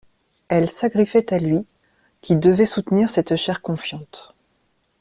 Elle s'agriffait à lui, qui devait soutenir cette chair confiante.